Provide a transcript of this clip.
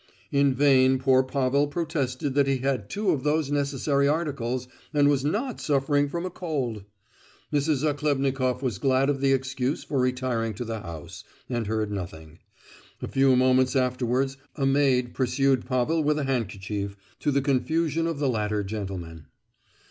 In vain poor Pavel protested that he had two of those necessary articles, and was not suffering from a cold. Mrs. Zachlebnikoff was glad of the excuse for retiring to the house, and heard nothing. A few moments afterwards a maid pursued Pavel with a handkerchief, to the confusion of the latter gentleman.